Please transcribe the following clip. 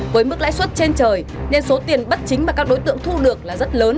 với mức lãi suất trên trời nền số tiền bất chính mà các đối tượng thu được